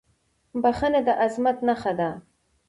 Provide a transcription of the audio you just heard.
• بښنه د عظمت نښه ده.